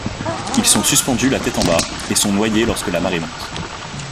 Ils sont suspendus la tête en bas et sont noyés lorsque la marée monte.